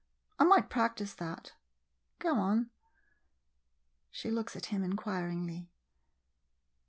I — I might practise that. Go on. [She looks at him inquiringly.